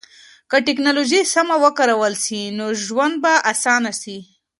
که ټکنالوژي سمه وکارول سي نو ژوند به اسانه سي.